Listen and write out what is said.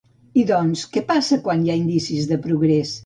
I doncs, què passa quan hi ha indicis de progrés?